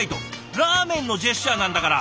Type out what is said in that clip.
ラーメンのジェスチャーなんだから！